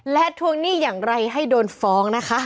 และทวงหนี้อย่างไรให้โดนฟ้องนะคะ